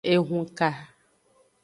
Ehunka.